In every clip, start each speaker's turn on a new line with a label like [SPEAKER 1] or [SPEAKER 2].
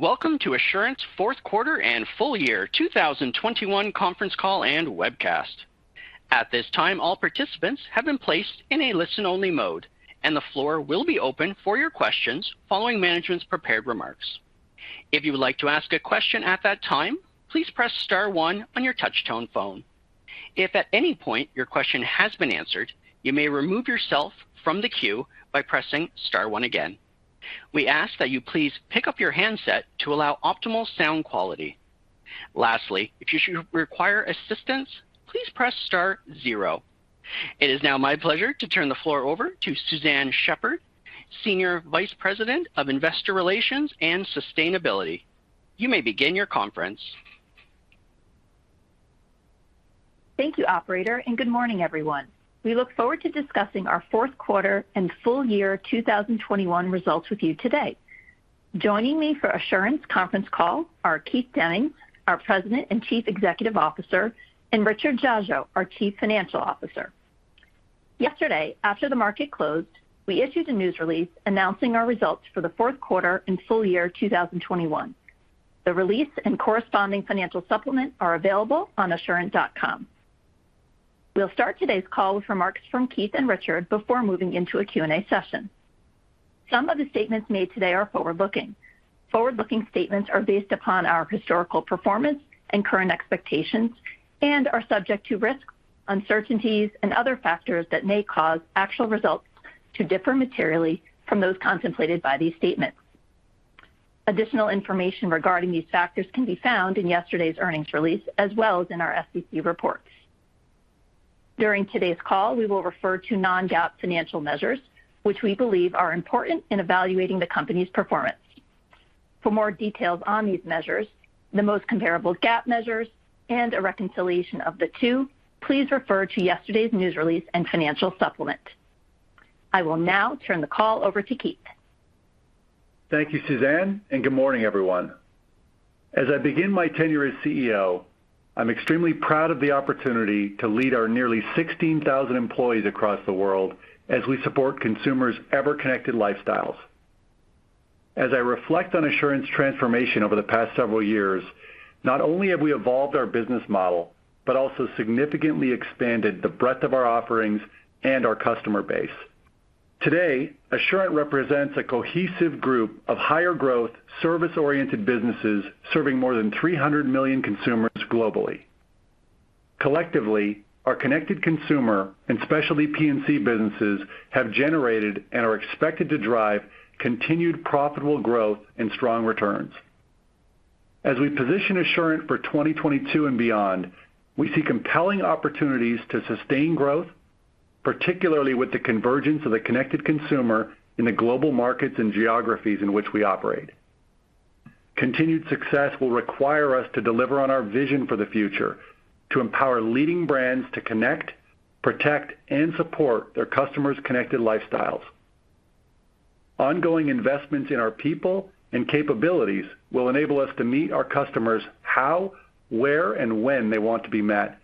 [SPEAKER 1] Welcome to Assurant's fourth quarter and full year 2021 conference call and webcast. At this time, all participants have been placed in a listen-only mode, and the floor will be open for your questions following management's prepared remarks. If you would like to ask a question at that time, please press star one on your touchtone phone. If at any point your question has been answered, you may remove yourself from the queue by pressing star one again. We ask that you please pick up your handset to allow optimal sound quality. Lastly, if you should require assistance, please press star zero. It is now my pleasure to turn the floor over to Suzanne Shepherd, Senior Vice President of Investor Relations and Sustainability. You may begin your conference.
[SPEAKER 2] Thank you, operator, and good morning, everyone. We look forward to discussing our fourth quarter and full year 2021 results with you today. Joining me for Assurant's conference call are Keith Demmings, our President and Chief Executive Officer, and Richard Dziadzio, our Chief Financial Officer. Yesterday, after the market closed, we issued a news release announcing our results for the fourth quarter and full year 2021. The release and corresponding financial supplement are available on assurant.com. We'll start today's call with remarks from Keith and Richard before moving into a Q&A session. Some of the statements made today are forward-looking. Forward-looking statements are based upon our historical performance and current expectations and are subject to risks, uncertainties and other factors that may cause actual results to differ materially from those contemplated by these statements. Additional information regarding these factors can be found in yesterday's earnings release, as well as in our SEC reports. During today's call, we will refer to non-GAAP financial measures, which we believe are important in evaluating the company's performance. For more details on these measures, the most comparable GAAP measures, and a reconciliation of the two, please refer to yesterday's news release and financial supplement. I will now turn the call over to Keith.
[SPEAKER 3] Thank you, Suzanne, and good morning, everyone. As I begin my tenure as CEO, I'm extremely proud of the opportunity to lead our nearly 16,000 employees across the world as we support consumers' ever-connected lifestyles. As I reflect on Assurant's transformation over the past several years, not only have we evolved our business model, but also significantly expanded the breadth of our offerings and our customer base. Today, Assurant represents a cohesive group of higher growth, service-oriented businesses serving more than 300 million consumers globally. Collectively, our connected consumer and specialty P&C businesses have generated and are expected to drive continued profitable growth and strong returns. As we position Assurant for 2022 and beyond, we see compelling opportunities to sustain growth, particularly with the convergence of the connected consumer in the global markets and geographies in which we operate. Continued success will require us to deliver on our vision for the future, to empower leading brands to connect, protect, and support their customers' connected lifestyles. Ongoing investments in our people and capabilities will enable us to meet our customers how, where, and when they want to be met,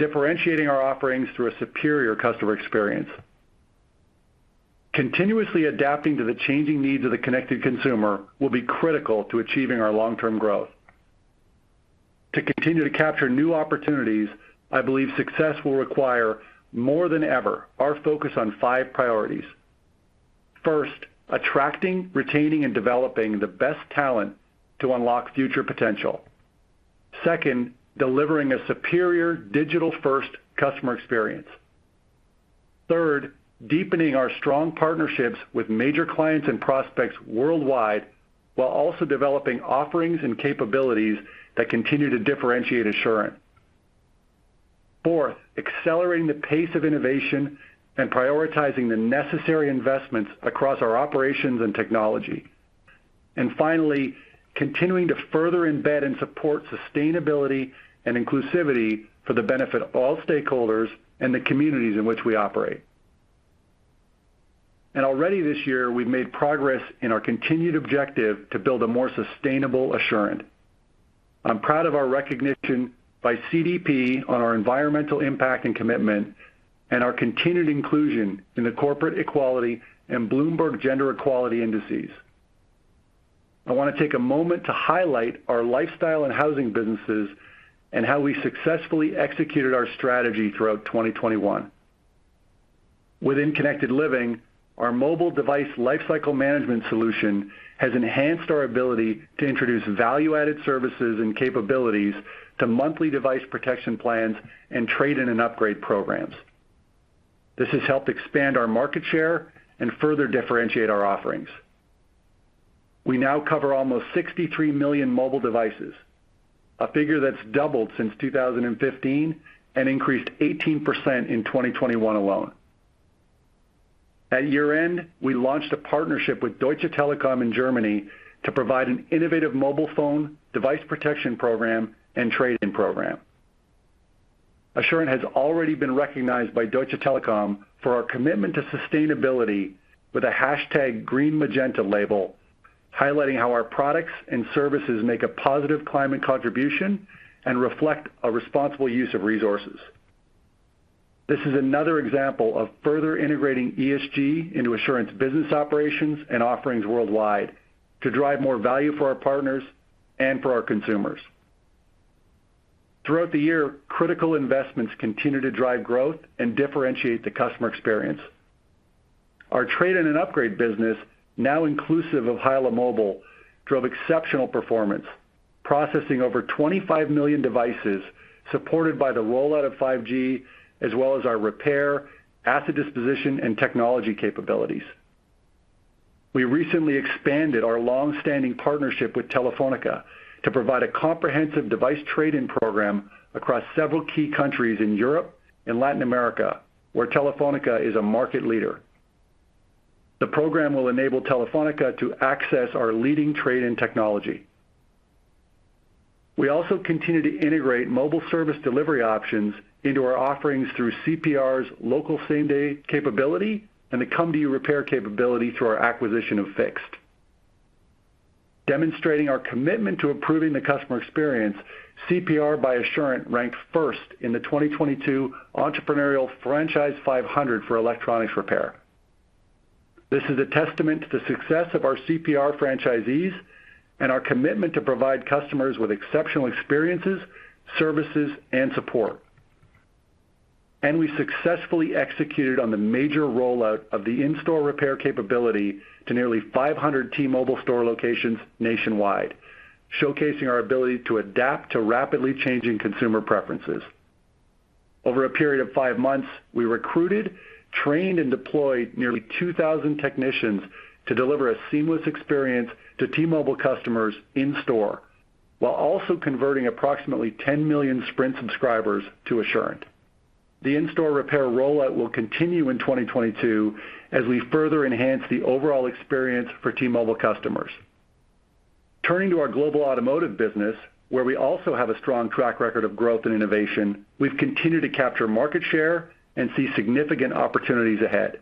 [SPEAKER 3] differentiating our offerings through a superior customer experience. Continuously adapting to the changing needs of the connected consumer will be critical to achieving our long-term growth. To continue to capture new opportunities, I believe success will require more than ever our focus on five priorities. First, attracting, retaining, and developing the best talent to unlock future potential. Second, delivering a superior digital-first customer experience. Third, deepening our strong partnerships with major clients and prospects worldwide while also developing offerings and capabilities that continue to differentiate Assurant. Fourth, accelerating the pace of innovation and prioritizing the necessary investments across our operations and technology. Finally, continuing to further embed and support sustainability and inclusivity for the benefit of all stakeholders and the communities in which we operate. Already this year, we've made progress in our continued objective to build a more sustainable Assurant. I'm proud of our recognition by CDP on our environmental impact and commitment and our continued inclusion in the Corporate Equality Index and Bloomberg Gender-Equality Index. I want to take a moment to highlight our lifestyle and housing businesses and how we successfully executed our strategy throughout 2021. Within Connected Living, our mobile device lifecycle management solution has enhanced our ability to introduce value-added services and capabilities to monthly device protection plans and trade-in and upgrade programs. This has helped expand our market share and further differentiate our offerings. We now cover almost 63 million mobile devices, a figure that's doubled since 2015 and increased 18% in 2021 alone. At year-end, we launched a partnership with Deutsche Telekom in Germany to provide an innovative mobile phone device protection program and trade-in program. Assurant has already been recognized by Deutsche Telekom for our commitment to sustainability with a #GreenMagenta label, highlighting how our products and services make a positive climate contribution and reflect a responsible use of resources. This is another example of further integrating ESG into Assurant's business operations and offerings worldwide to drive more value for our partners and for our consumers. Throughout the year, critical investments continue to drive growth and differentiate the customer experience. Our trade-in and upgrade business, now inclusive of HYLA Mobile, drove exceptional performance, processing over 25 million devices supported by the rollout of 5G, as well as our repair, asset disposition, and technology capabilities. We recently expanded our long-standing partnership with Telefonica to provide a comprehensive device trade-in program across several key countries in Europe and Latin America, where Telefonica is a market leader. The program will enable Telefonica to access our leading trade-in technology. We also continue to integrate mobile service delivery options into our offerings through CPR's local same-day capability and the come to you repair capability through our acquisition of Fixt. Demonstrating our commitment to improving the customer experience, CPR by Assurant ranked first in the 2022 Entrepreneur Franchise 500 for electronics repair. This is a testament to the success of our CPR franchisees and our commitment to provide customers with exceptional experiences, services, and support. We successfully executed on the major rollout of the in-store repair capability to nearly 500 T-Mobile store locations nationwide, showcasing our ability to adapt to rapidly changing consumer preferences. Over a period of 5 months, we recruited, trained, and deployed nearly 2,000 technicians to deliver a seamless experience to T-Mobile customers in store, while also converting approximately 10 million Sprint subscribers to Assurant. The in-store repair rollout will continue in 2022 as we further enhance the overall experience for T-Mobile customers. Turning to our Global Automotive business, where we also have a strong track record of growth and innovation, we've continued to capture market share and see significant opportunities ahead.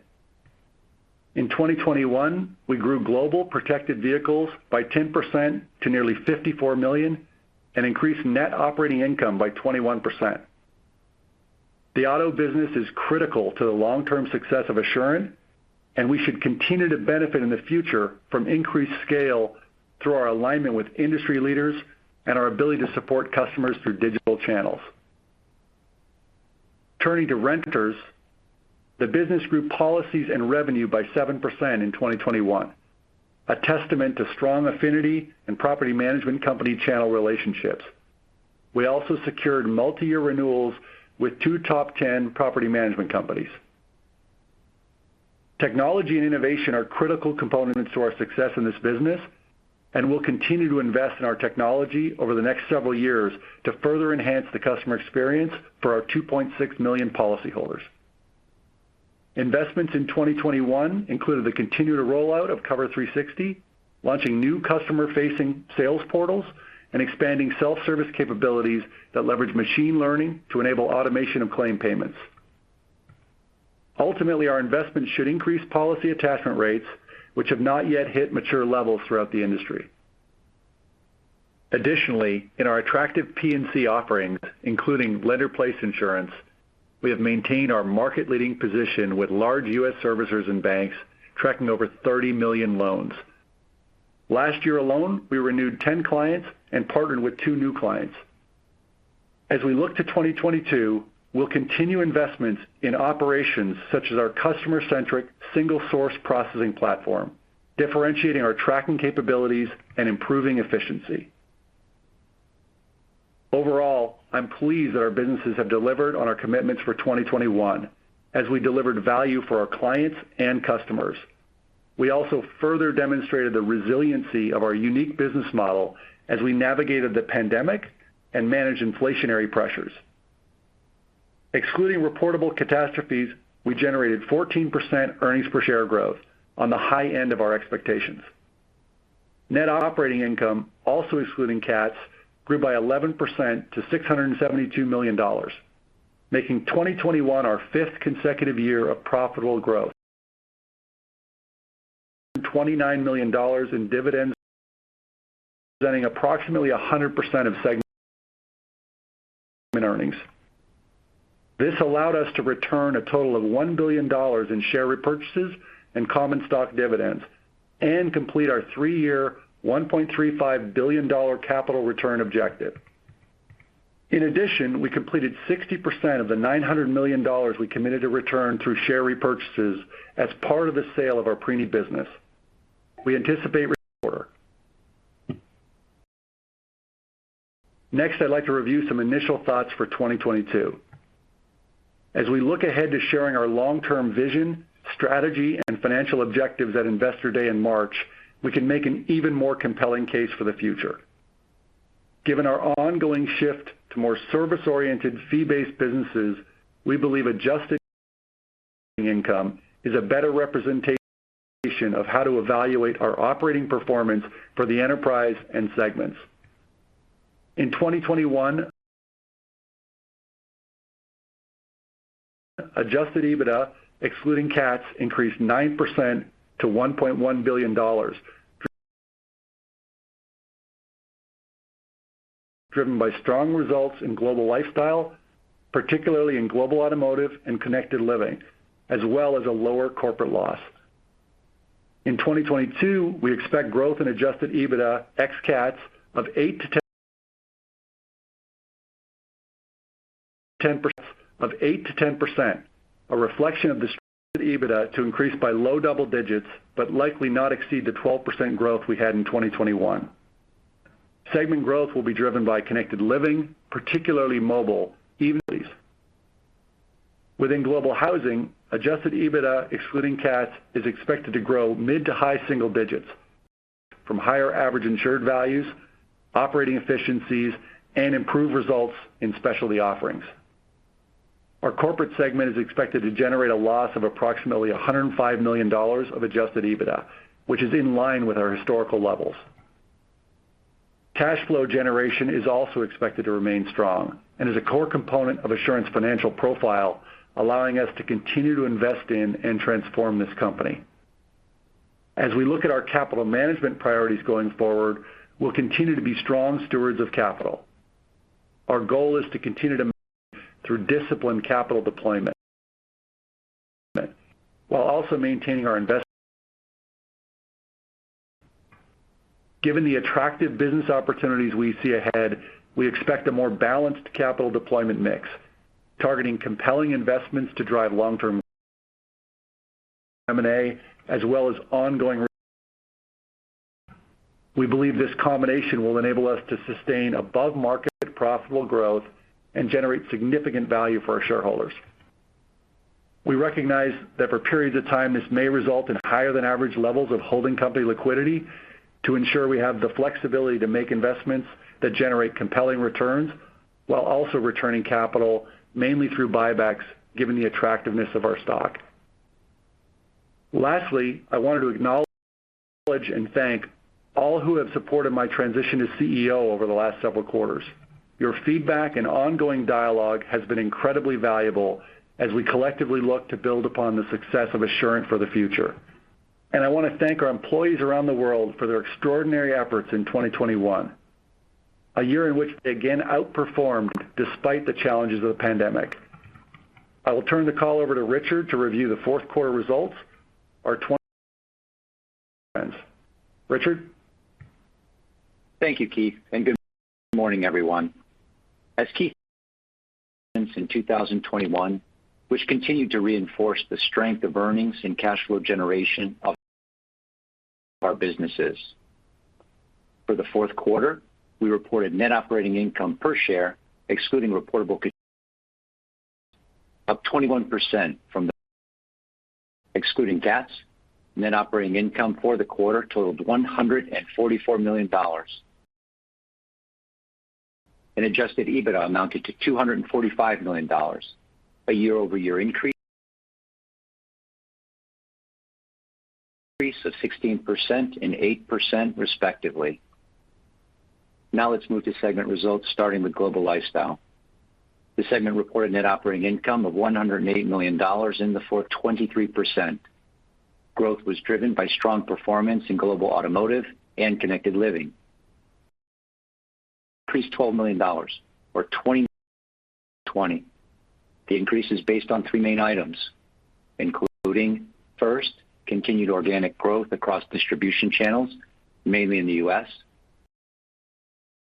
[SPEAKER 3] In 2021, we grew global protected vehicles by 10% to nearly 54 million and increased net operating income by 21%. The auto business is critical to the long-term success of Assurant, and we should continue to benefit in the future from increased scale through our alignment with industry leaders and our ability to support customers through digital channels. Turning to renters, the business grew policies and revenue by 7% in 2021, a testament to strong affinity and property management company channel relationships. We also secured multi-year renewals with two top ten property management companies. Technology and innovation are critical components to our success in this business, and we'll continue to invest in our technology over the next several years to further enhance the customer experience for our 2.6 million policyholders. Investments in 2021 included the continued rollout of Cover360, launching new customer-facing sales portals, and expanding self-service capabilities that leverage machine learning to enable automation of claim payments. Ultimately, our investments should increase policy attachment rates, which have not yet hit mature levels throughout the industry. Additionally, in our attractive P&C offerings, including Lender-Placed Insurance, we have maintained our market-leading position with large U.S. servicers and banks tracking over 30 million loans. Last year alone, we renewed 10 clients and partnered with 2 new clients. As we look to 2022, we'll continue investments in operations such as our customer-centric single source processing platform, differentiating our tracking capabilities and improving efficiency. Overall, I'm pleased that our businesses have delivered on our commitments for 2021 as we delivered value for our clients and customers. We also further demonstrated the resiliency of our unique business model as we navigated the pandemic and managed inflationary pressures. Excluding reportable catastrophes, we generated 14% earnings per share growth on the high end of our expectations. Net operating income, also excluding cats, grew by 11% to $672 million, making 2021 our 5th consecutive year of profitable growth. $29 million in dividends, presenting approximately 100% of segment earnings. This allowed us to return a total of $1 billion in share repurchases and common stock dividends and complete our 3-year $1.35 billion capital return objective. In addition, we completed 60% of the $900 million we committed to return through share repurchases as part of the sale of our Preneed business. We anticipate. Next, I'd like to review some initial thoughts for 2022. As we look ahead to sharing our long-term vision, strategy, and financial objectives at Investor Day in March, we can make an even more compelling case for the future. Given our ongoing shift to more service-oriented fee-based businesses, we believe adjusted income is a better representation of how to evaluate our operating performance for the enterprise and segments. In 2021, Adjusted EBITDA, excluding CAT, increased 9% to $1.1 billion, driven by strong results in Global Lifestyle, particularly in Global Automotive and Connected Living, as well as a lower corporate loss. In 2022, we expect growth in adjusted EBITDA ex CAT of 8%-10%, a reflection of distributed EBITDA to increase by low double digits but likely not exceed the 12% growth we had in 2021. Segment growth will be driven by Connected Living, particularly mobile. Within Global Housing, Adjusted EBITDA excluding CAT is expected to grow mid- to high-single digits% from higher average insured values, operating efficiencies, and improved results in specialty offerings. Our corporate segment is expected to generate a loss of approximately $105 million of Adjusted EBITDA, which is in line with our historical levels. Cash flow generation is also expected to remain strong and is a core component of Assurant's financial profile, allowing us to continue to invest in and transform this company. As we look at our capital management priorities going forward, we'll continue to be strong stewards of capital. Our goal is to continue through disciplined capital deployment while also maintaining our investment. Given the attractive business opportunities we see ahead, we expect a more balanced capital deployment mix, targeting compelling investments to drive long-term M&A, as well as ongoing. We believe this combination will enable us to sustain above-market profitable growth and generate significant value for our shareholders. We recognize that for periods of time, this may result in higher than average levels of holding company liquidity to ensure we have the flexibility to make investments that generate compelling returns while also returning capital mainly through buybacks, given the attractiveness of our stock. Lastly, I wanted to acknowledge and thank all who have supported my transition to CEO over the last several quarters. Your feedback and ongoing dialogue has been incredibly valuable as we collectively look to build upon the success of Assurant for the future. I want to thank our employees around the world for their extraordinary efforts in 2021, a year in which they again outperformed despite the challenges of the pandemic. I will turn the call over to Richard to review the fourth quarter results, Richard.
[SPEAKER 4] Thank you, Keith, and good morning, everyone. As Keith said in 2021, which continued to reinforce the strength of earnings and cash flow generation of our businesses. For the fourth quarter, we reported Net Operating Income per share excluding reportable catastrophes up 21% year-over-year. Excluding CAT, Net Operating Income for the quarter totaled $144 million. Adjusted EBITDA amounted to $245 million, a year-over-year increase of 16% and 8% respectively. Now let's move to segment results, starting with Global Lifestyle. The segment reported Net Operating Income of $108 million in the fourth quarter, 23%. Growth was driven by strong performance in Global Automotive and Connected Living. Increased $12 million. The increase is based on three main items, including first, continued organic growth across distribution channels, mainly in the U.S.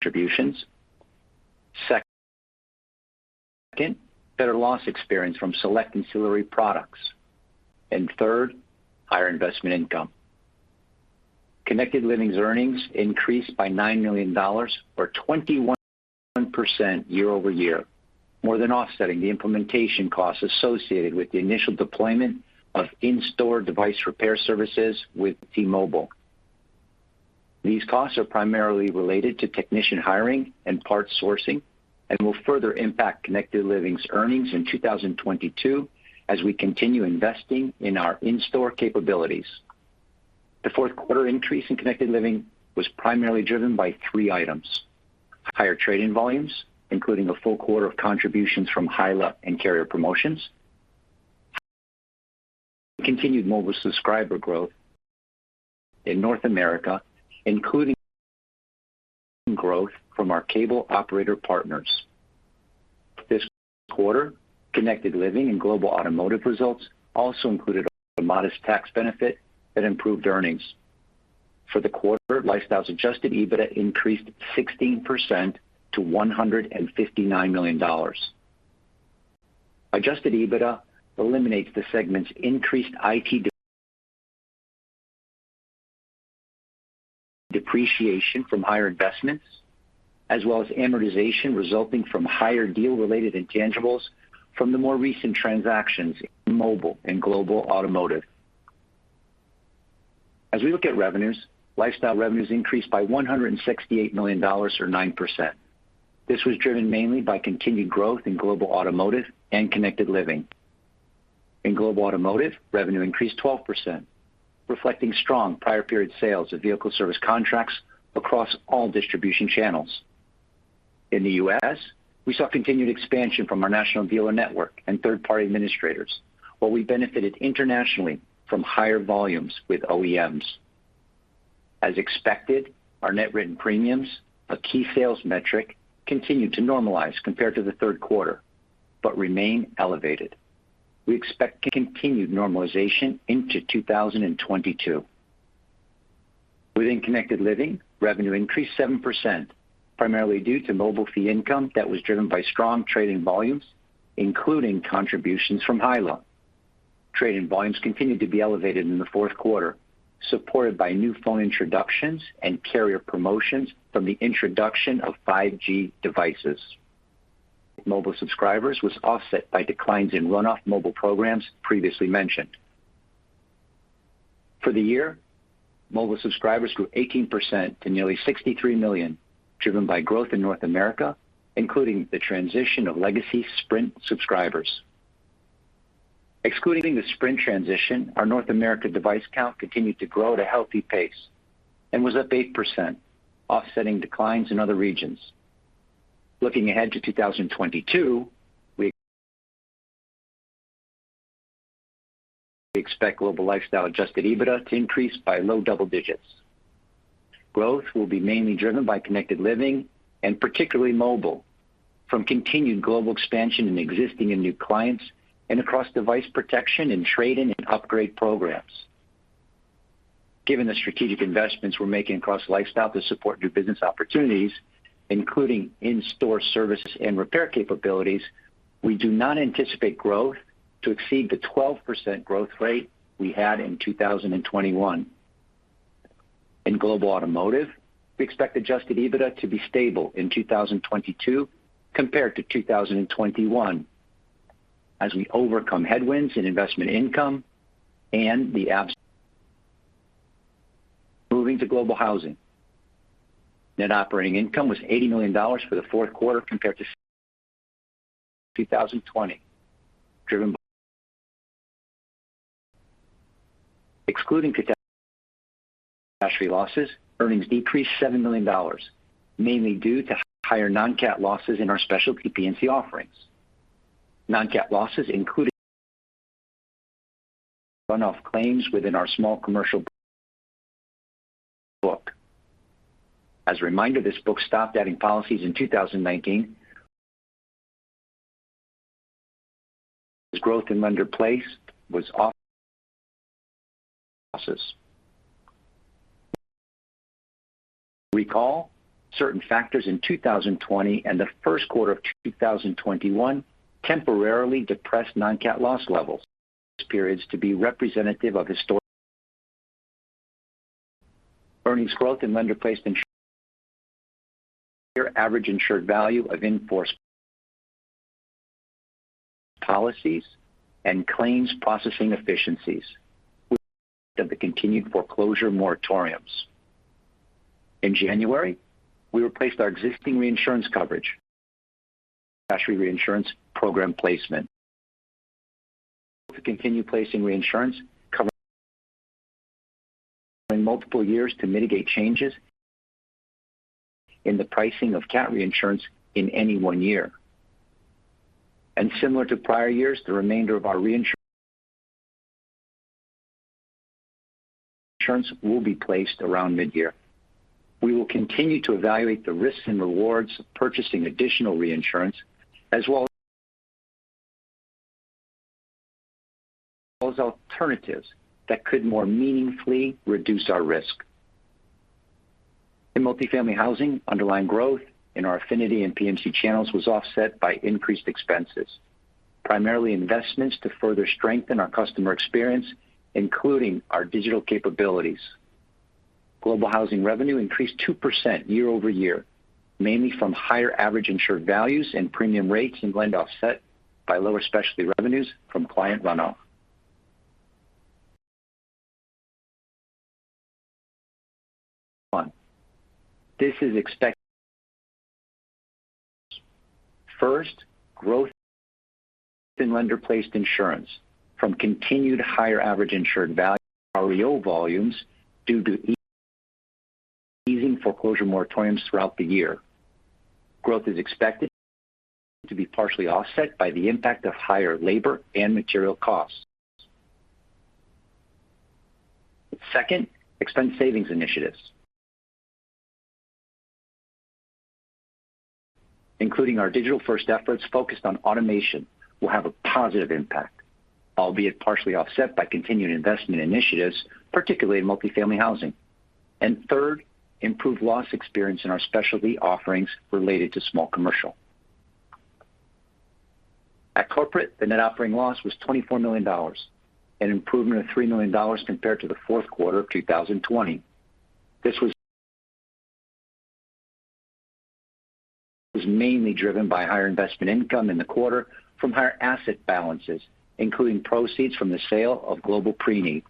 [SPEAKER 4] Contributions. Second, better loss experience from select ancillary products. Third, higher investment income. Connected Living's earnings increased by $9 million or 21% year-over-year, more than offsetting the implementation costs associated with the initial deployment of in-store device repair services with T-Mobile. These costs are primarily related to technician hiring and parts sourcing and will further impact Connected Living's earnings in 2022 as we continue investing in our in-store capabilities. The fourth quarter increase in Connected Living was primarily driven by three items. Higher trading volumes, including a full quarter of contributions from HYLA and carrier promotions. Continued mobile subscriber growth in North America, including growth from our cable operator partners. This quarter, Connected Living and Global Automotive results also included a modest tax benefit that improved earnings. For the quarter, Lifestyle's Adjusted EBITDA increased 16% to $159 million. Adjusted EBITDA eliminates the segment's increased IT depreciation from higher investments as well as amortization resulting from higher deal-related intangibles from the more recent transactions in mobile and Global Automotive. As we look at revenues, Lifestyle revenues increased by $168 million or 9%. This was driven mainly by continued growth in Global Automotive and Connected Living. In Global Automotive, revenue increased 12%, reflecting strong prior period sales of vehicle service contracts across all distribution channels. In the U.S., we saw continued expansion from our national dealer network and third-party administrators, while we benefited internationally from higher volumes with OEMs. As expected, our net written premiums, a key sales metric, continued to normalize compared to the third quarter, but remain elevated. We expect continued normalization into 2022. Within Connected Living, revenue increased 7%, primarily due to mobile fee income that was driven by strong trading volumes, including contributions from HYLA. Trading volumes continued to be elevated in the fourth quarter, supported by new phone introductions and carrier promotions from the introduction of 5G devices. Mobile subscribers was offset by declines in runoff mobile programs previously mentioned. For the year, mobile subscribers grew 18% to nearly 63 million, driven by growth in North America, including the transition of legacy Sprint subscribers. Excluding the Sprint transition, our North America device count continued to grow at a healthy pace and was up 8%, offsetting declines in other regions. Looking ahead to 2022, we expect Global Lifestyle Adjusted EBITDA to increase by low double digits. Growth will be mainly driven by Connected Living and particularly mobile from continued global expansion in existing and new clients and across device protection and trade-in and upgrade programs. Given the strategic investments we're making across Lifestyle to support new business opportunities, including in-store services and repair capabilities, we do not anticipate growth to exceed the 12% growth rate we had in 2021. In Global Automotive, we expect adjusted EBITDA to be stable in 2022 compared to 2021 as we overcome headwinds in investment income. Moving to Global Housing, net operating income was $80 million for the fourth quarter compared to 2020. Excluding catastrophe losses, earnings decreased $7 million, mainly due to higher non-cat losses in our specialty P&C offerings. Non-cat losses included runoff claims within our small commercial book. As a reminder, this book stopped adding policies in 2019. Growth in Lender-Placed Insurance was offset by losses. Recall certain factors in 2020 and the first quarter of 2021 temporarily depressed non-cat loss levels. Periods not to be representative of historical. Earnings growth in Lender-Placed Insurance average insured value of enforced policies and claims processing efficiencies of the continued foreclosure moratoriums. In January, we replaced our existing reinsurance coverage catastrophe reinsurance program placement to continue placing reinsurance coverage in multiple years to mitigate changes in the pricing of cat reinsurance in any one year. Similar to prior years, the remainder of our reinsurance will be placed around mid-year. We will continue to evaluate the risks and rewards of purchasing additional reinsurance as well as alternatives that could more meaningfully reduce our risk. In Multifamily Housing, underlying growth in our affinity and P&C channels was offset by increased expenses, primarily investments to further strengthen our customer experience, including our digital capabilities. Global Housing revenue increased 2% year-over-year, mainly from higher average insured values and premium rates, offset by lower specialty revenues from client runoff. This is expected. First, growth in Lender-Placed Insurance from continued higher average insured value REO volumes due to easing foreclosure moratoriums throughout the year. Growth is expected to be partially offset by the impact of higher labor and material costs. Second, expense savings initiatives, including our digital-first efforts focused on automation, will have a positive impact, albeit partially offset by continued investment initiatives, particularly in Multifamily Housing. Third, improved loss experience in our specialty offerings related to small commercial. At Corporate, the net operating loss was $24 million, an improvement of $3 million compared to the fourth quarter of 2020. This was mainly driven by higher investment income in the quarter from higher asset balances, including proceeds from the sale of Global Preneed.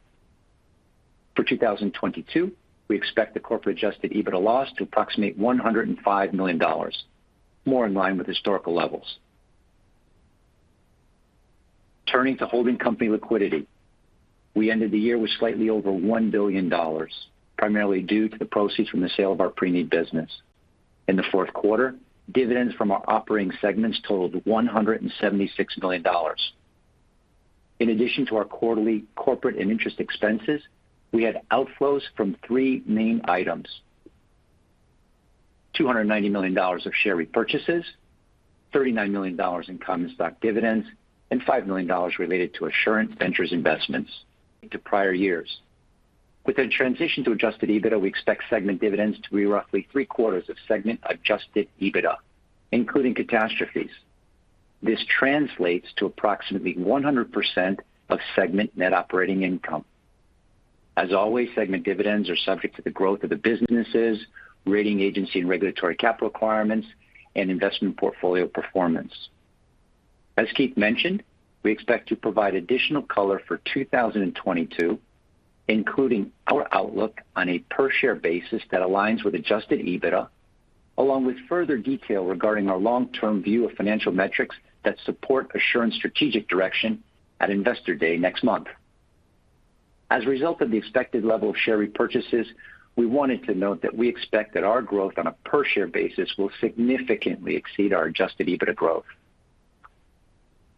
[SPEAKER 4] For 2022, we expect the Corporate Adjusted EBITDA loss to approximate $105 million, more in line with historical levels. Turning to holding company liquidity. We ended the year with slightly over $1 billion, primarily due to the proceeds from the sale of our Preneed business. In the fourth quarter, dividends from our operating segments totaled $176 million. In addition to our quarterly corporate and interest expenses, we had outflows from three main items. $290 million of share repurchases, $39 million in common stock dividends, and $5 million related to Assurant Ventures investments to prior years. With a transition to adjusted EBITDA, we expect segment dividends to be roughly three-quarters of segment adjusted EBITDA, including catastrophes. This translates to approximately 100% of segment net operating income. As always, segment dividends are subject to the growth of the businesses, rating agency and regulatory capital requirements, and investment portfolio performance. As Keith mentioned, we expect to provide additional color for 2022, including our outlook on a per-share basis that aligns with adjusted EBITDA, along with further detail regarding our long-term view of financial metrics that support Assurant's strategic direction at Investor Day next month. As a result of the expected level of share repurchases, we wanted to note that we expect that our growth on a per-share basis will significantly exceed our Adjusted EBITDA growth.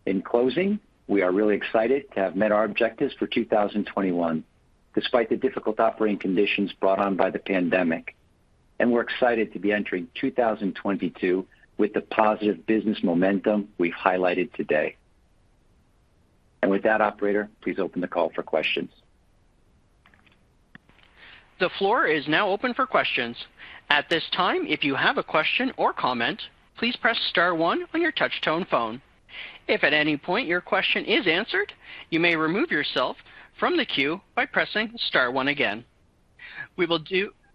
[SPEAKER 4] In closing, we are really excited to have met our objectives for 2021, despite the difficult operating conditions brought on by the pandemic. We're excited to be entering 2022 with the positive business momentum we've highlighted today. With that, operator, please open the call for questions.
[SPEAKER 1] The floor is now open for questions. At this time, if you have a question or comment, please press star one on your touch-tone phone. If at any point your question is answered, you may remove yourself from the queue by pressing star one again.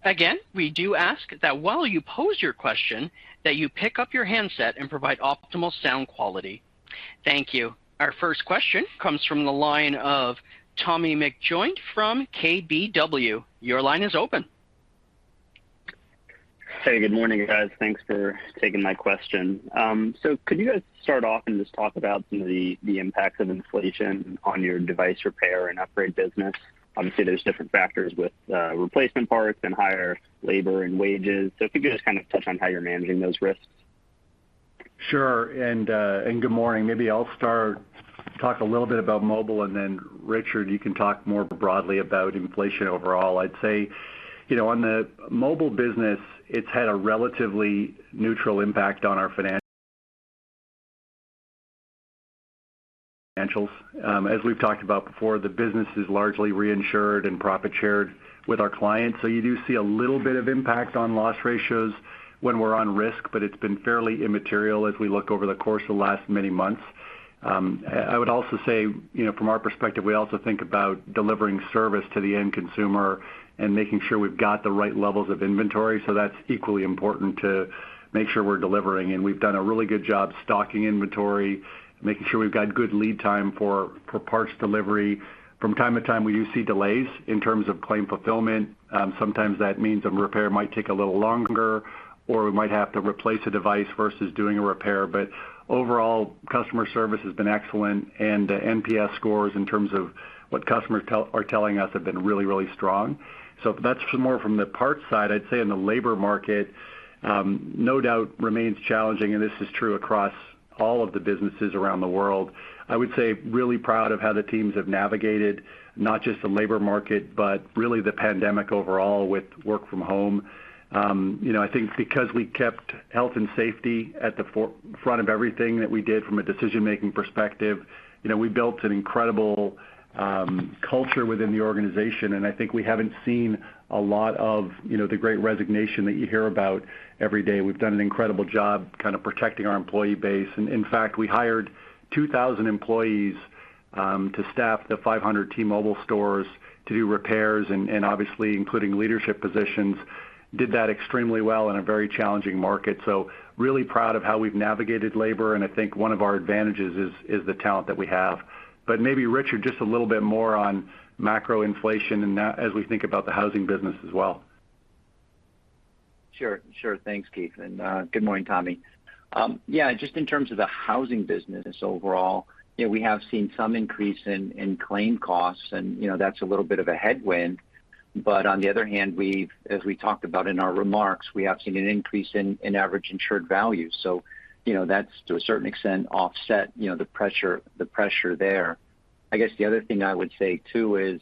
[SPEAKER 1] Again, we do ask that while you pose your question, that you pick up your handset and provide optimal sound quality. Thank you. Our first question comes from the line of Tommy McJoynt from KBW. Your line is open.
[SPEAKER 5] Hey, good morning, guys. Thanks for taking my question. Could you guys start off and just talk about some of the impacts of inflation on your device repair and upgrade business? Obviously, there's different factors with replacement parts and higher labor and wages. If you could just kind of touch on how you're managing those risks.
[SPEAKER 3] Sure. Good morning. Maybe I'll start, talk a little bit about mobile, and then Richard, you can talk more broadly about inflation overall. I'd say, you know, on the mobile business, it's had a relatively neutral impact on our financials. As we've talked about before, the business is largely reinsured and profit shared with our clients. You do see a little bit of impact on loss ratios when we're on risk, but it's been fairly immaterial as we look over the course of the last many months. I would also say, you know, from our perspective, we also think about delivering service to the end consumer and making sure we've got the right levels of inventory. That's equally important to make sure we're delivering. We've done a really good job stocking inventory, making sure we've got good lead time for parts delivery. From time to time, we do see delays in terms of claim fulfillment. Sometimes that means a repair might take a little longer, or we might have to replace a device versus doing a repair. Overall, customer service has been excellent, and the NPS scores in terms of what customers are telling us have been really, really strong. That's more from the parts side. I'd say in the labor market, no doubt remains challenging, and this is true across all of the businesses around the world. I would say really proud of how the teams have navigated not just the labor market, but really the pandemic overall with work from home. You know, I think because we kept health and safety at the forefront of everything that we did from a decision-making perspective, you know, we built an incredible culture within the organization. I think we haven't seen a lot of, you know, the great resignation that you hear about every day. We've done an incredible job kind of protecting our employee base. In fact, we hired 2,000 employees to staff the 500 T-Mobile stores to do repairs and obviously, including leadership positions, did that extremely well in a very challenging market. Really proud of how we've navigated labor. I think one of our advantages is the talent that we have. Maybe Richard, just a little bit more on macro inflation and that as we think about the housing business as well.
[SPEAKER 4] Sure. Thanks, Keith. Good morning, Tommy. Yeah, just in terms of the housing business overall, you know, we have seen some increase in claim costs and, you know, that's a little bit of a headwind. On the other hand, as we talked about in our remarks, we have seen an increase in average insured values. You know, that's to a certain extent offset, you know, the pressure there. I guess the other thing I would say, too, is,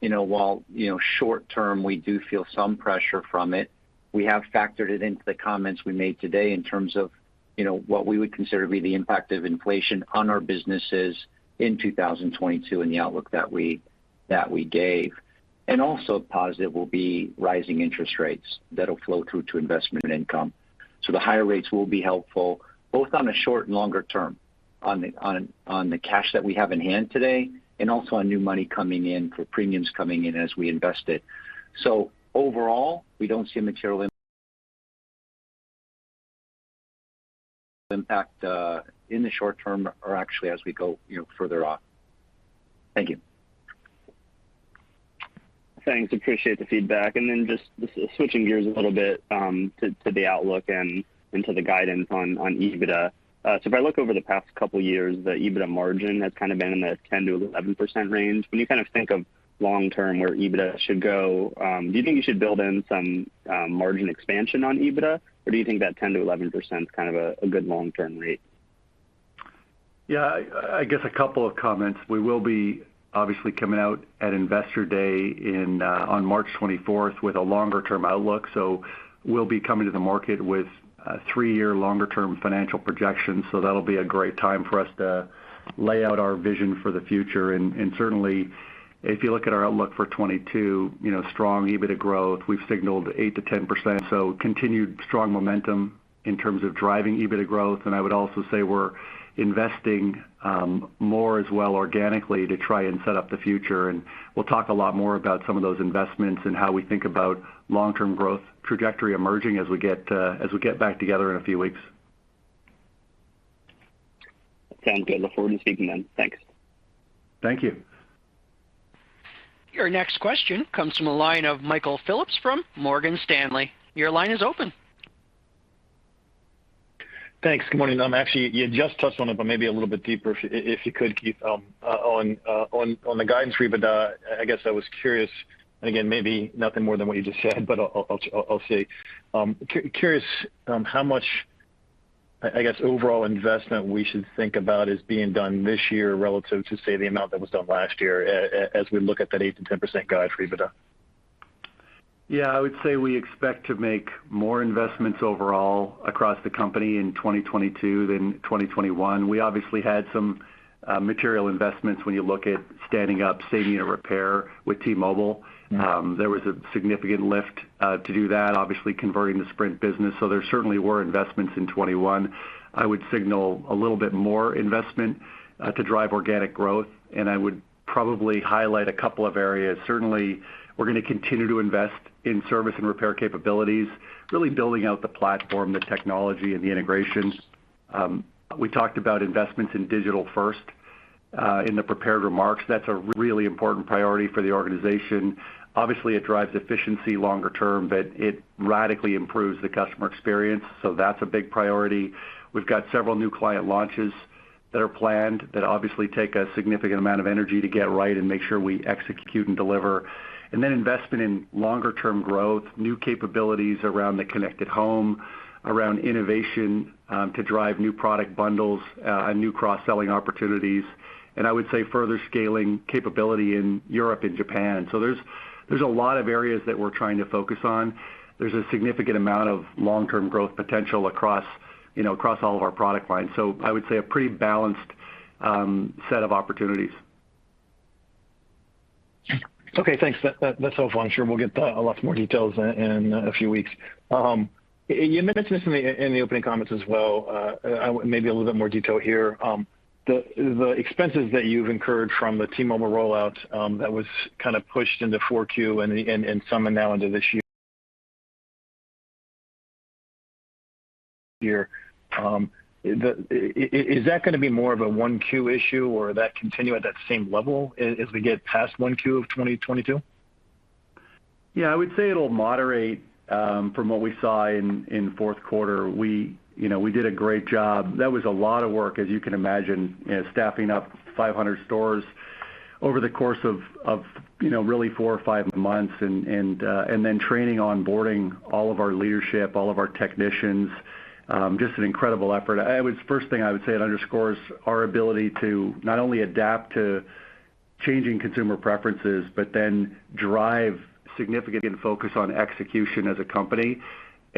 [SPEAKER 4] you know, while, you know, short term, we do feel some pressure from it, we have factored it into the comments we made today in terms of, you know, what we would consider to be the impact of inflation on our businesses in 2022 and the outlook that we gave. Also positive will be rising interest rates that'll flow through to investment income. The higher rates will be helpful both on a short and longer term on the cash that we have in hand today and also on new money coming in for premiums coming in as we invest it. Overall, we don't see a material impact in the short term or actually as we go, you know, further off. Thank you.
[SPEAKER 5] Thanks. Appreciate the feedback. Just switching gears a little bit, to the outlook and to the guidance on EBITDA. If I look over the past couple of years, the EBITDA margin has kind of been in the 10%-11% range. When you kind of think of long term where EBITDA should go, do you think you should build in some margin expansion on EBITDA? Do you think that 10%-11% is kind of a good long-term rate?
[SPEAKER 3] Yeah, I guess a couple of comments. We will be obviously coming out at Investor Day in on March twenty-fourth with a longer-term outlook. We'll be coming to the market with a three-year longer-term financial projection, so that'll be a great time for us to lay out our vision for the future. Certainly, if you look at our outlook for 2022, you know, strong EBITDA growth, we've signaled 8%-10%, so continued strong momentum in terms of driving EBITDA growth. I would also say we're investing more as well organically to try and set up the future. We'll talk a lot more about some of those investments and how we think about long-term growth trajectory emerging as we get back together in a few weeks.
[SPEAKER 5] Sounds good. Look forward to speaking then. Thanks.
[SPEAKER 3] Thank you.
[SPEAKER 1] Your next question comes from the line of Michael Phillips from Morgan Stanley. Your line is open.
[SPEAKER 6] Thanks. Good morning. Actually you just touched on it, but maybe a little bit deeper if you could, Keith, on the guidance for 2025. I guess I was curious, and again, maybe nothing more than what you just said, but I'll say curious how much, I guess, overall investment we should think about is being done this year relative to, say, the amount that was done last year as we look at that 8%-10% guide for 2025.
[SPEAKER 3] Yeah. I would say we expect to make more investments overall across the company in 2022 than 2021. We obviously had some material investments when you look at standing up service and repair with T-Mobile. There was a significant lift to do that, obviously converting the Sprint business. So there certainly were investments in 2021. I would signal a little bit more investment to drive organic growth, and I would probably highlight a couple of areas. Certainly, we're gonna continue to invest in service and repair capabilities, really building out the platform, the technology and the integration. We talked about investments in digital first in the prepared remarks. That's a really important priority for the organization. Obviously, it drives efficiency longer term, but it radically improves the customer experience. So that's a big priority. We've got several new client launches that are planned that obviously take a significant amount of energy to get right and make sure we execute and deliver. Investment in longer-term growth, new capabilities around the connected home, around innovation, to drive new product bundles, and new cross-selling opportunities. I would say further scaling capability in Europe and Japan. There's a lot of areas that we're trying to focus on. There's a significant amount of long-term growth potential across, you know, all of our product lines. I would say a pretty balanced set of opportunities.
[SPEAKER 6] Okay, thanks. That's all fine. Sure, we'll get a lot more details in a few weeks. You mentioned this in the opening comments as well. Maybe a little bit more detail here. The expenses that you've incurred from the T-Mobile rollout, that was kinda pushed into 4Q and some are now into this year. Is that gonna be more of a 1Q issue or that continue at that same level as we get past 1Q of 2022?
[SPEAKER 3] Yeah. I would say it'll moderate from what we saw in fourth quarter. We, you know, did a great job. That was a lot of work, as you can imagine, staffing up 500 stores over the course of, you know, really 4 or 5 months and then training, onboarding all of our leadership, all of our technicians, just an incredible effort. First thing I would say, it underscores our ability to not only adapt to changing consumer preferences, but then drive significant and focus on execution as a company.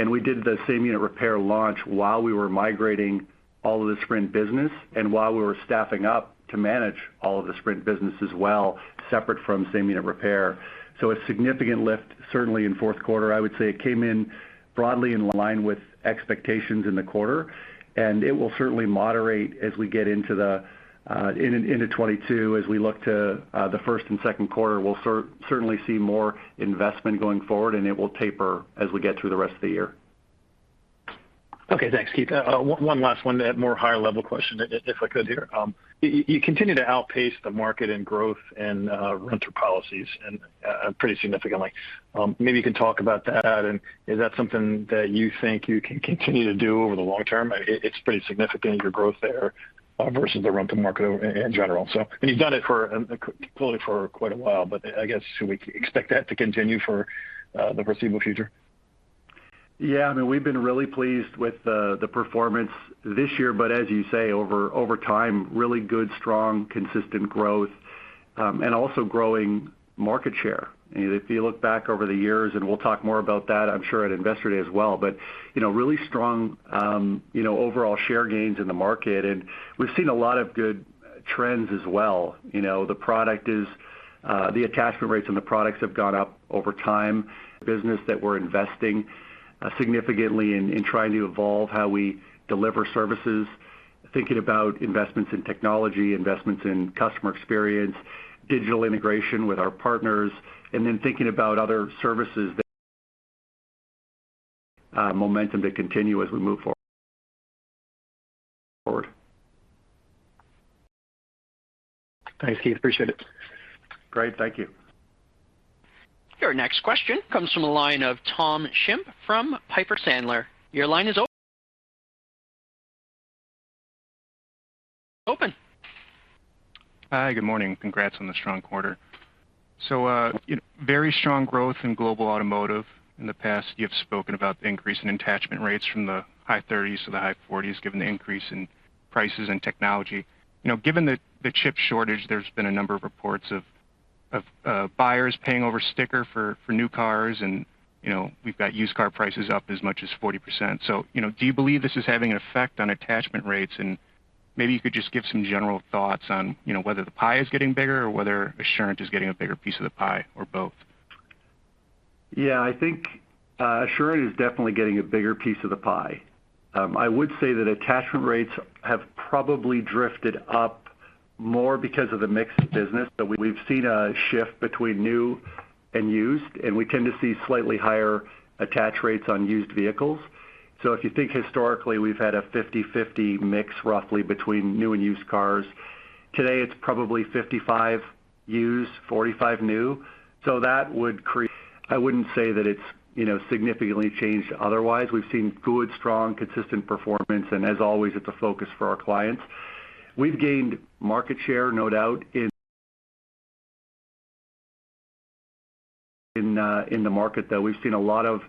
[SPEAKER 3] We did the same unit repair launch while we were migrating all of the Sprint business and while we were staffing up to manage all of the Sprint business as well, separate from same unit repair. A significant lift certainly in fourth quarter. I would say it came in broadly in line with expectations in the quarter, and it will certainly moderate as we get into 2022. As we look to the first and second quarter, we'll certainly see more investment going forward, and it will taper as we get through the rest of the year.
[SPEAKER 6] Okay, thanks, Keith. One last one, more higher level question, if I could here. You continue to outpace the market in growth and renter policies pretty significantly. Maybe you can talk about that. Is that something that you think you can continue to do over the long term? It's pretty significant, your growth there versus the rental market in general. You've done it clearly for quite a while, but I guess, should we expect that to continue for the foreseeable future?
[SPEAKER 3] Yeah. I mean, we've been really pleased with the performance this year. As you say, over time, really good, strong, consistent growth, and also growing market share. If you look back over the years, and we'll talk more about that, I'm sure, at Investor Day as well, but you know, really strong, you know, overall share gains in the market. We've seen a lot of good trends as well. You know, the attachment rates and the products have gone up over time. The business that we're investing significantly in trying to evolve how we deliver services, thinking about investments in technology, investments in customer experience, digital integration with our partners, and then thinking about other services that momentum to continue as we move forward.
[SPEAKER 6] Thanks, Keith. Appreciate it.
[SPEAKER 3] Great. Thank you.
[SPEAKER 1] Your next question comes from a line of Tom Shimp from Piper Sandler. Your line is open.
[SPEAKER 7] Hi, good morning. Congrats on the strong quarter. Very strong growth in Global Automotive. In the past, you have spoken about the increase in attachment rates from the high thirties to the high forties, given the increase in prices and technology. You know, given the chip shortage, there's been a number of reports of buyers paying over sticker for new cars. You know, we've got used car prices up as much as 40%. You know, do you believe this is having an effect on attachment rates? Maybe you could just give some general thoughts on, you know, whether the pie is getting bigger or whether Assurant is getting a bigger piece of the pie or both.
[SPEAKER 3] Yeah, I think Assurant is definitely getting a bigger piece of the pie. I would say that attachment rates have probably drifted up more because of the mix of business. We've seen a shift between new and used, and we tend to see slightly higher attach rates on used vehicles. If you think historically, we've had a 50/50 mix roughly between new and used cars. Today it's probably 55 used, 45 new. I wouldn't say that it's, you know, significantly changed otherwise. We've seen good, strong, consistent performance, and as always, it's a focus for our clients. We've gained market share no doubt in the market, though we've seen a lot of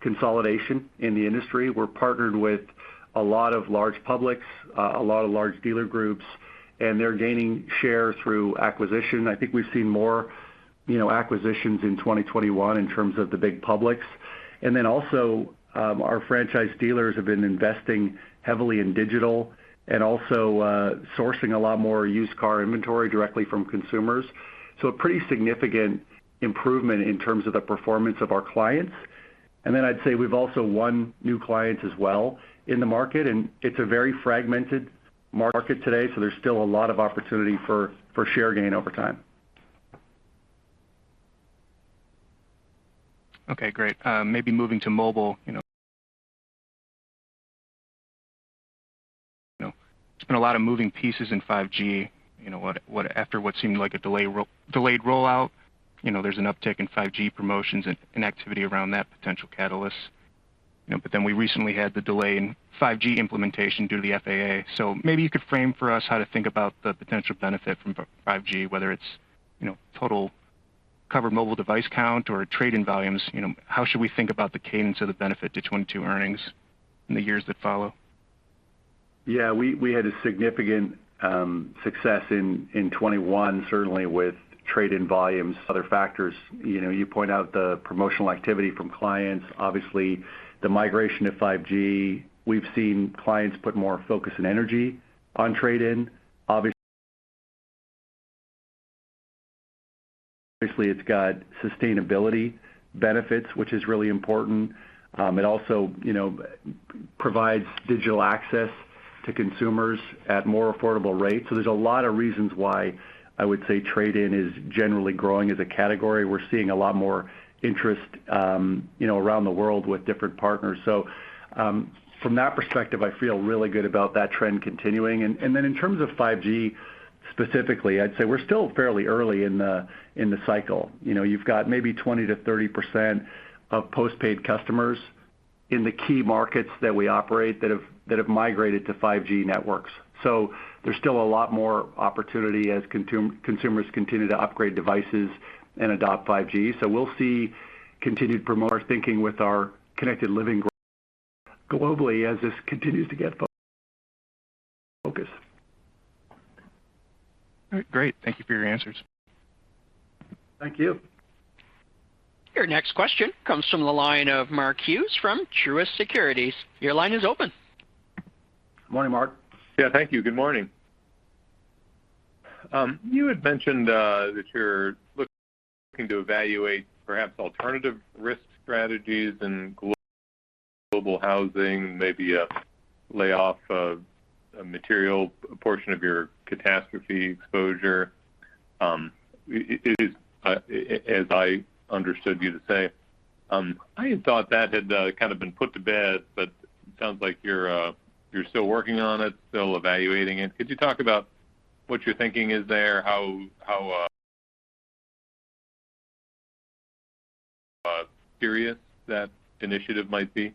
[SPEAKER 3] consolidation in the industry. We're partnered with a lot of large publics, a lot of large dealer groups, and they're gaining share through acquisition. I think we've seen more, you know, acquisitions in 2021 in terms of the big publics. Our franchise dealers have been investing heavily in digital and also sourcing a lot more used car inventory directly from consumers. A pretty significant improvement in terms of the performance of our clients. I'd say we've also won new clients as well in the market, and it's a very fragmented market today, so there's still a lot of opportunity for share gain over time.
[SPEAKER 7] Okay, great. Maybe moving to mobile, you know. There's been a lot of moving pieces in 5G. You know, after what seemed like a delayed rollout, you know, there's an uptick in 5G promotions and activity around that potential catalyst. You know, but then we recently had the delay in 5G implementation due to the FAA. Maybe you could frame for us how to think about the potential benefit from 5G, whether it's, you know, total covered mobile device count or trade-in volumes. You know, how should we think about the cadence of the benefit to 2022 earnings in the years that follow?
[SPEAKER 3] Yeah, we had a significant success in 2021, certainly with trade-in volumes. Other factors, you know, you point out the promotional activity from clients. Obviously, the migration to 5G. We've seen clients put more focus and energy on trade-in. Obviously, it's got sustainability benefits, which is really important. It also, you know, provides digital access to consumers at more affordable rates. There's a lot of reasons why I would say trade-in is generally growing as a category. We're seeing a lot more interest, you know, around the world with different partners. From that perspective, I feel really good about that trend continuing. In terms of 5G specifically, I'd say we're still fairly early in the cycle. You know, you've got maybe 20%-30% of postpaid customers in the key markets that we operate that have migrated to 5G networks. There's still a lot more opportunity as consumers continue to upgrade devices and adopt 5G. We'll see continued promotion of our thinking with our Connected Living globally as this continues to get focus.
[SPEAKER 7] All right. Great. Thank you for your answers.
[SPEAKER 3] Thank you.
[SPEAKER 1] Your next question comes from the line of Mark Hughes from Truist Securities. Your line is open.
[SPEAKER 3] Good morning, Mark.
[SPEAKER 8] Yeah, thank you. Good morning. You had mentioned that you're looking to evaluate perhaps alternative risk strategies and Global Housing, maybe a layoff of a material portion of your catastrophe exposure, as I understood you to say. I had thought that had kind of been put to bed, but it sounds like you're still working on it, still evaluating it. Could you talk about what you're thinking is there? How serious that initiative might be?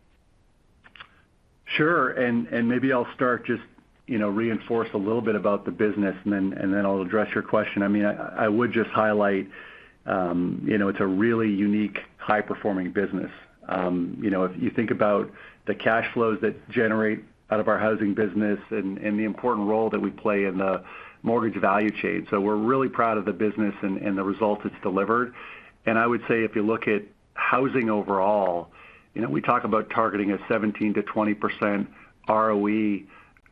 [SPEAKER 3] Sure. Maybe I'll start just, you know, reinforce a little bit about the business, then I'll address your question. I mean, I would just highlight, you know, it's a really unique, high-performing business. You know, if you think about the cash flows that generate out of our housing business and the important role that we play in the mortgage value chain. We're really proud of the business and the results it's delivered. I would say if you look at housing overall, you know, we talk about targeting a 17%-20% ROE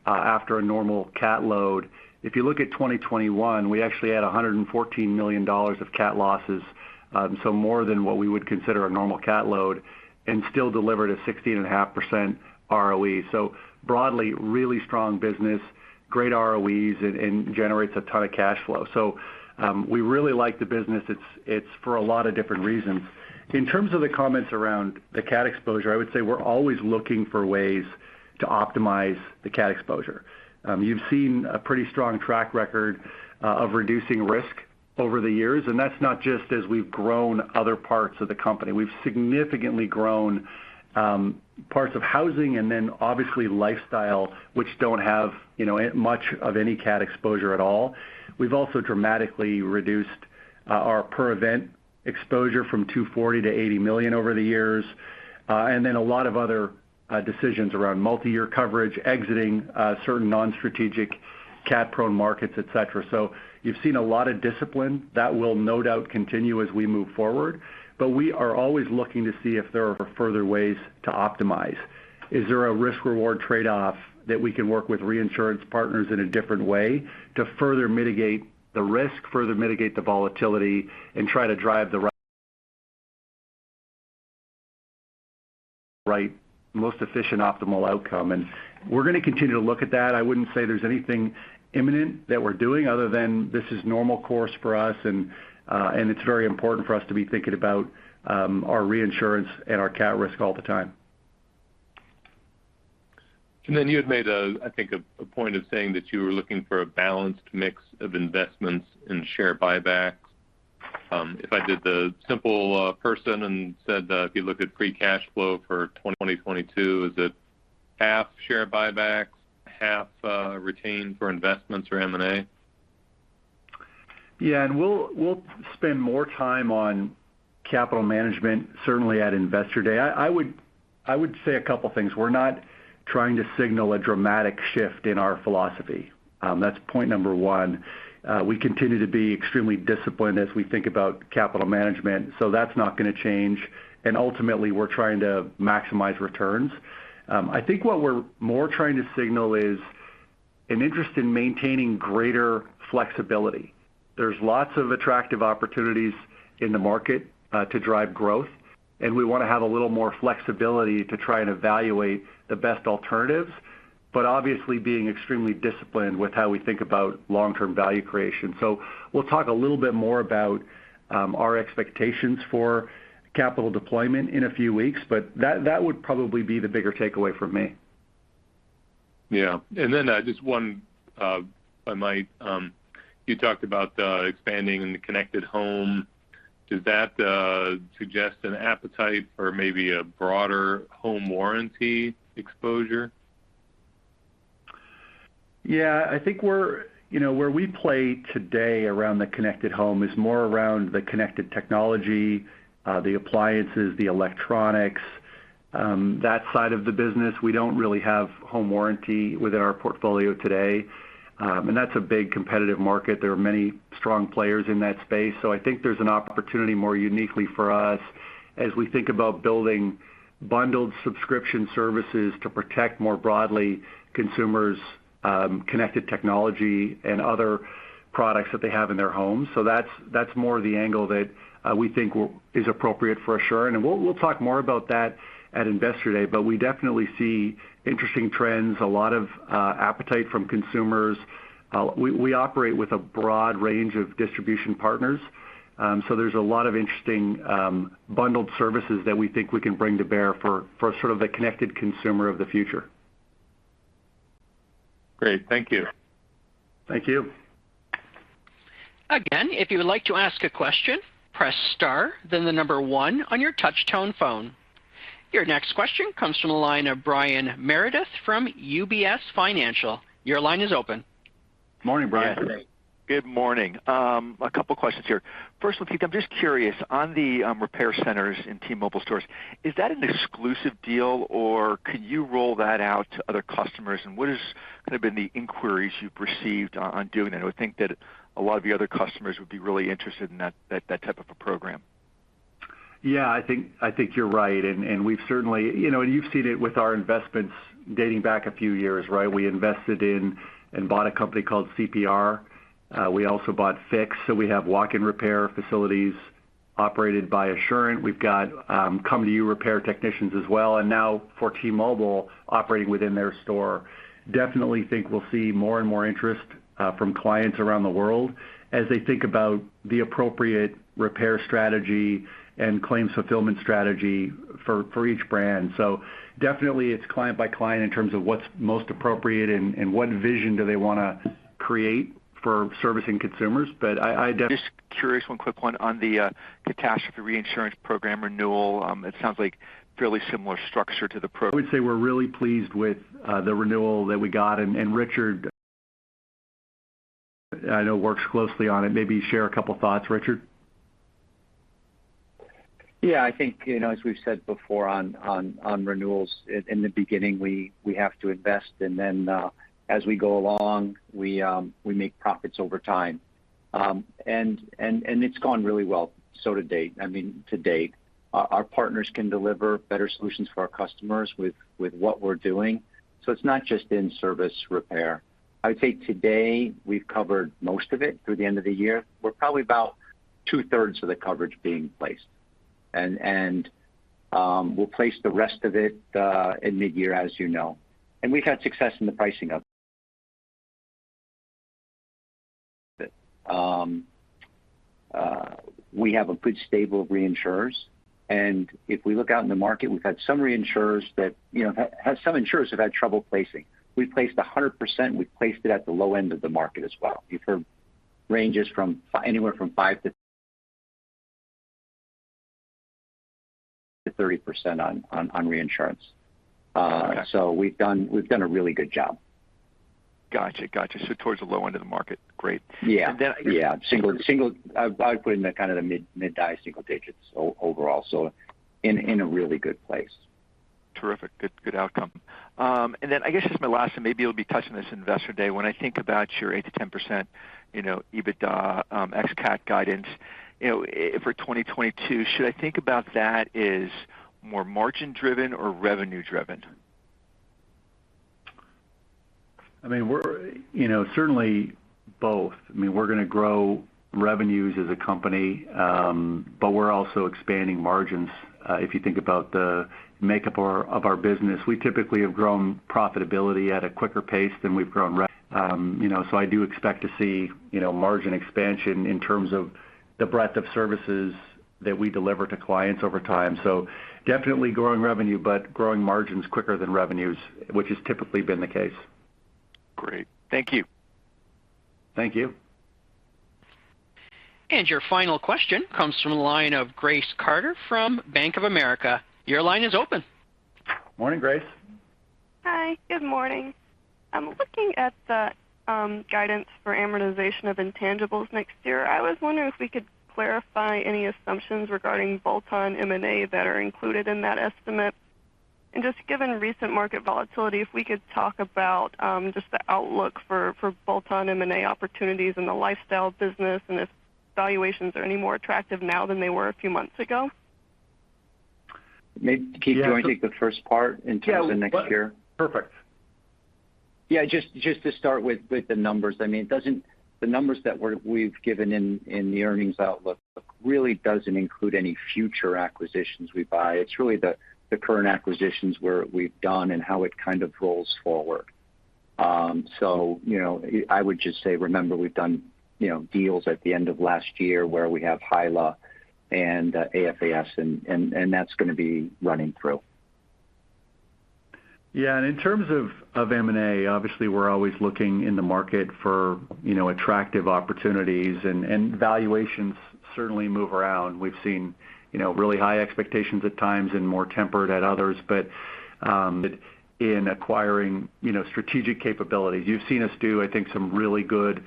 [SPEAKER 3] after a normal cat load. If you look at 2021, we actually had $114 million of cat losses, so more than what we would consider a normal cat load and still delivered a 16.5% ROE. Broadly, really strong business, great ROEs, and generates a ton of cash flow. We really like the business. It's for a lot of different reasons. In terms of the comments around the cat exposure, I would say we're always looking for ways to optimize the cat exposure. You've seen a pretty strong track record of reducing risk over the years, and that's not just as we've grown other parts of the company. We've significantly grown parts of housing and then obviously lifestyle, which don't have much of any cat exposure at all. We've also dramatically reduced our per event exposure from $240 million to $80 million over the years. Then a lot of other decisions around multi-year coverage, exiting certain non-strategic cat-prone markets, et cetera. You've seen a lot of discipline that will no doubt continue as we move forward. We are always looking to see if there are further ways to optimize. Is there a risk-reward trade-off that we can work with reinsurance partners in a different way to further mitigate the risk, further mitigate the volatility, and try to drive the right most efficient optimal outcome? We're gonna continue to look at that. I wouldn't say there's anything imminent that we're doing other than this is normal course for us. It's very important for us to be thinking about our reinsurance and our cat risk all the time.
[SPEAKER 8] You had made, I think, a point of saying that you were looking for a balanced mix of investments in share buybacks. If I did the simple math and said, if you look at free cash flow for 2022, is it half share buybacks, half retained for investments or M&A?
[SPEAKER 3] Yeah. We'll spend more time on capital management, certainly at Investor Day. I would say a couple things. We're not trying to signal a dramatic shift in our philosophy. That's point number one. We continue to be extremely disciplined as we think about capital management, so that's not gonna change. Ultimately, we're trying to maximize returns. I think what we're more trying to signal is an interest in maintaining greater flexibility. There's lots of attractive opportunities in the market to drive growth, and we wanna have a little more flexibility to try and evaluate the best alternatives, but obviously being extremely disciplined with how we think about long-term value creation. We'll talk a little bit more about our expectations for capital deployment in a few weeks, but that would probably be the bigger takeaway from me.
[SPEAKER 8] Yeah. You talked about expanding in the Connected Living. Does that suggest an appetite for maybe a broader home warranty exposure?
[SPEAKER 3] Yeah, I think You know, where we play today around the Connected Home is more around the connected technology, the appliances, the electronics, that side of the business. We don't really have home warranty within our portfolio today. That's a big competitive market. There are many strong players in that space. I think there's an opportunity more uniquely for us as we think about building bundled subscription services to protect more broadly consumers, connected technology and other products that they have in their homes. That's more the angle that we think is appropriate for Assurant, and we'll talk more about that at Investor Day. We definitely see interesting trends, a lot of appetite from consumers. We operate with a broad range of distribution partners. There's a lot of interesting bundled services that we think we can bring to bear for sort of the connected consumer of the future.
[SPEAKER 8] Great. Thank you.
[SPEAKER 3] Thank you.
[SPEAKER 1] Again, if you would like to ask a question, press star, then the number one on your touch tone phone. Your next question comes from the line of Brian Meredith from UBS Financial. Your line is open.
[SPEAKER 3] Morning, Brian.
[SPEAKER 9] Good morning. A couple questions here. First, Keith, I'm just curious on the repair centers in T-Mobile stores, is that an exclusive deal or could you roll that out to other customers? And what is kinda been the inquiries you've received on doing it? I would think that a lot of your other customers would be really interested in that type of a program.
[SPEAKER 3] Yeah, I think you're right, and we've certainly. You know, you've seen it with our investments dating back a few years, right? We invested in and bought a company called CPR. We also bought Fixt. We have walk-in repair facilities operated by Assurant. We've got come to you repair technicians as well. Now for T-Mobile operating within their store. I definitely think we'll see more and more interest from clients around the world as they think about the appropriate repair strategy and claim fulfillment strategy for each brand. Definitely it's client by client in terms of what's most appropriate and what vision do they wanna create for servicing consumers. I def-
[SPEAKER 9] Just curious, one quick one on the catastrophe reinsurance program renewal. It sounds like fairly similar structure to the pro-
[SPEAKER 3] I would say we're really pleased with the renewal that we got. Richard, I know, works closely on it. Maybe share a couple thoughts, Richard.
[SPEAKER 4] Yeah. I think, you know, as we've said before on renewals, in the beginning, we have to invest, and then, as we go along, we make profits over time. It's gone really well so to date, I mean, to date. Our partners can deliver better solutions for our customers with what we're doing, so it's not just in service repair. I would say today we've covered most of it through the end of the year. We're probably about two-thirds of the coverage being placed. We'll place the rest of it in mid-year, as you know. We've had success in the pricing of it. We have a good stable of reinsurers, and if we look out in the market, we've had some reinsurers that, you know, some insurers have had trouble placing. We placed 100%. We placed it at the low end of the market as well. You've heard ranges from anywhere from 5%-30% on reinsurance.
[SPEAKER 9] Okay.
[SPEAKER 4] We've done a really good job.
[SPEAKER 9] Gotcha. Toward the low end of the market. Great.
[SPEAKER 4] Yeah.
[SPEAKER 9] And then-
[SPEAKER 4] Yeah. I would put it in the kind of the mid-high single digits overall, so in a really good place.
[SPEAKER 9] Terrific. Good, good outcome. I guess just my last one, maybe you'll be touching this in Investor Day. When I think about your 8%-10%, you know, EBITDA ex-CAT guidance, you know, for 2022, should I think about that as more margin driven or revenue driven?
[SPEAKER 3] I mean, we're, you know, certainly both. I mean, we're gonna grow revenues as a company, but we're also expanding margins. If you think about the makeup of our business, we typically have grown profitability at a quicker pace than we've grown rev. You know, I do expect to see, you know, margin expansion in terms of the breadth of services that we deliver to clients over time. Definitely growing revenue, but growing margins quicker than revenues, which has typically been the case.
[SPEAKER 9] Great. Thank you.
[SPEAKER 3] Thank you.
[SPEAKER 1] Your final question comes from the line of Grace Carter from Bank of America. Your line is open.
[SPEAKER 3] Morning, Grace.
[SPEAKER 10] Hi. Good morning. I'm looking at the guidance for amortization of intangibles next year. I was wondering if we could clarify any assumptions regarding bolt-on M&A that are included in that estimate. Just given recent market volatility, if we could talk about just the outlook for bolt-on M&A opportunities in the lifestyle business and if valuations are any more attractive now than they were a few months ago.
[SPEAKER 4] Keith, do you want to take the first part in terms of next year?
[SPEAKER 3] Yeah. Perfect.
[SPEAKER 4] Just to start with the numbers. I mean, the numbers that we've given in the earnings outlook really doesn't include any future acquisitions we buy. It's really the current acquisitions where we've done and how it kind of rolls forward. So, you know, I would just say, remember we've done, you know, deals at the end of last year where we have HYLA and AFAS and that's gonna be running through.
[SPEAKER 3] Yeah. In terms of M&A, obviously, we're always looking in the market for, you know, attractive opportunities and valuations certainly move around. We've seen, you know, really high expectations at times and more tempered at others. In acquiring, you know, strategic capabilities, you've seen us do, I think, some really good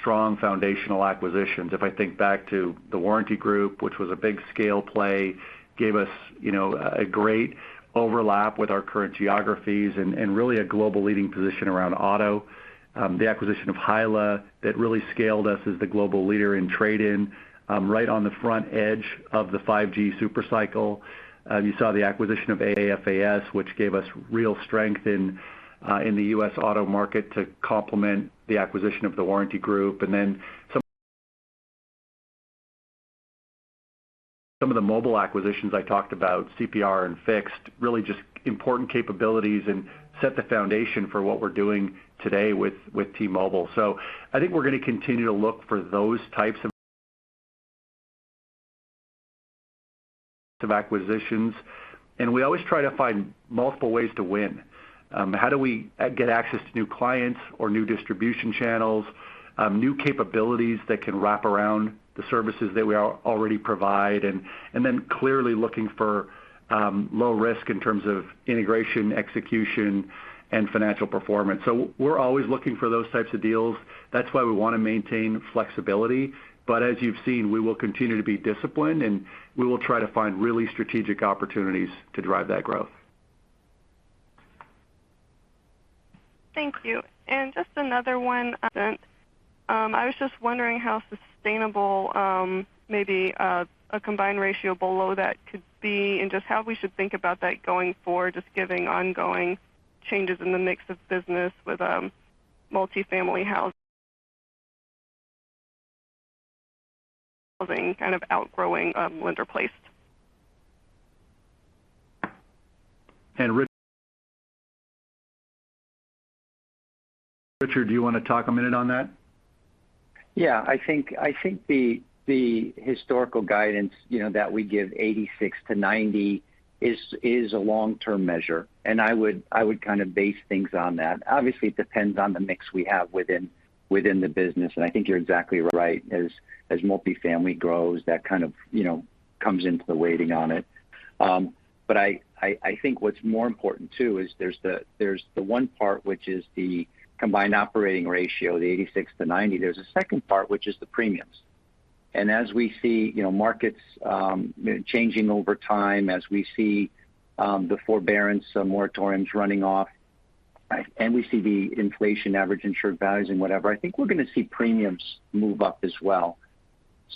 [SPEAKER 3] strong foundational acquisitions. If I think back to The Warranty Group, which was a big scale play, gave us, you know, a great overlap with our current geographies and really a global leading position around auto. The acquisition of HYLA that really scaled us as the global leader in trade-in, right on the front edge of the 5G super cycle. You saw the acquisition of AFAS, which gave us real strength in the U.S. auto market to complement the acquisition of The Warranty Group. Then some of the mobile acquisitions I talked about, CPR and Fixt, really just important capabilities and set the foundation for what we're doing today with T-Mobile. I think we're gonna continue to look for those types of acquisitions, and we always try to find multiple ways to win. How do we get access to new clients or new distribution channels, new capabilities that can wrap around the services that we already provide, and then clearly looking for low risk in terms of integration, execution, and financial performance. We're always looking for those types of deals. That's why we wanna maintain flexibility. As you've seen, we will continue to be disciplined, and we will try to find really strategic opportunities to drive that growth.
[SPEAKER 10] Thank you. Just another one. I was just wondering how sustainable maybe a combined ratio below that could be and just how we should think about that going forward, just giving ongoing changes in the mix of business with Multifamily Housing kind of outgrowing lender-placed.
[SPEAKER 3] Richard, do you wanna talk a minute on that?
[SPEAKER 4] Yeah. I think the historical guidance, you know, that we give 86%-90% is a long-term measure, and I would kind of base things on that. Obviously, it depends on the mix we have within the business, and I think you're exactly right. As Multifamily grows, that kind of, you know, comes into the weighting on it. But I think what's more important too is there's the one part, which is the combined operating ratio, the 86%-90%. There's a second part, which is the premiums. As we see, you know, markets changing over time, as we see the forbearance moratoriums running off, and we see the inflation, average insured values and whatever, I think we're gonna see premiums move up as well.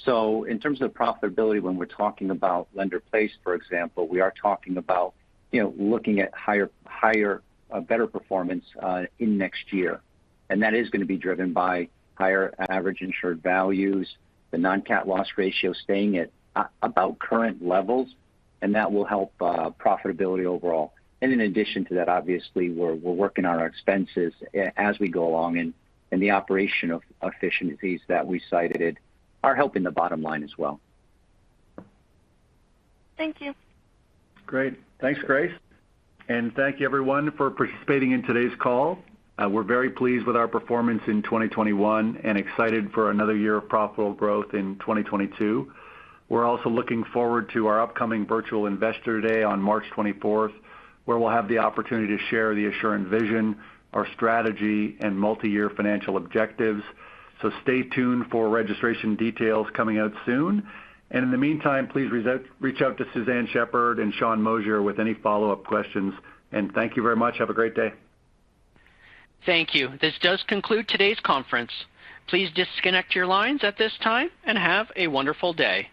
[SPEAKER 4] In terms of profitability, when we're talking about Lender-Placed, for example, we are talking about looking at higher better performance next year. That is gonna be driven by higher average insured values, the non-CAT loss ratio staying at about current levels, and that will help profitability overall. In addition to that, obviously, we're working on our expenses as we go along, and the operational efficiencies that we cited are helping the bottom line as well.
[SPEAKER 10] Thank you.
[SPEAKER 3] Great. Thanks, Grace, and thank you everyone for participating in today's call. We're very pleased with our performance in 2021 and excited for another year of profitable growth in 2022. We're also looking forward to our upcoming virtual Investor Day on March 24th, where we'll have the opportunity to share the Assurant vision, our strategy, and multi-year financial objectives. Stay tuned for registration details coming out soon. In the meantime, please reach out to Suzanne Shepherd and Sean Moshier with any follow-up questions. Thank you very much. Have a great day.
[SPEAKER 1] Thank you. This does conclude today's conference. Please disconnect your lines at this time and have a wonderful day.